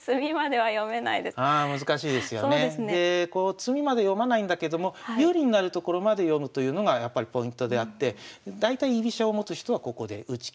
詰みまで読まないんだけども有利になるところまで読むというのがやっぱりポイントであって大体居飛車を持つ人はここで打ち切るんですよね。